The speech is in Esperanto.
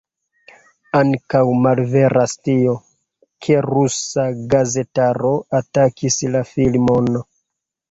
Ankaŭ malveras tio, ke rusa gazetaro atakis la filmon.